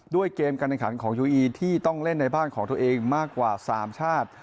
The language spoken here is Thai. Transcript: เกมการแข่งขันของยูอีที่ต้องเล่นในบ้านของตัวเองมากกว่า๓ชาติ